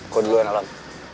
kau duluan alam